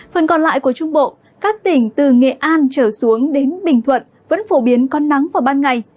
phần còn lại của trung bộ các tỉnh từ nghệ an trở xuống đến bình thuận vẫn phổ biến có nắng vào ban ngày